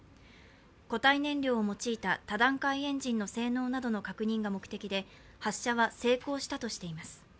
固体燃料を用いた多段階エンジンの性能などの確認が目的で発射は成功したとみられています。